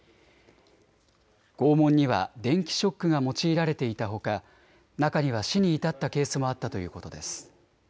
拷問には電気ショックが用いられていたほか中には死に至ったケースもあったということです。